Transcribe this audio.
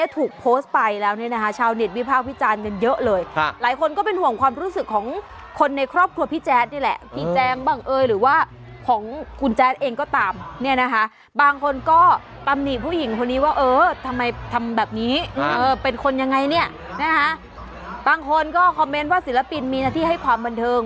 ทุกคนก็คอมเมนต์ว่าศิลปินมีหน้าที่ให้ความบันเทิง